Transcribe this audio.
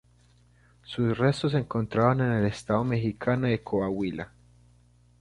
Sus restos se encontraron en el estado mexicano de Coahuila.